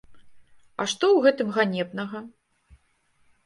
А што ў гэтым ганебнага?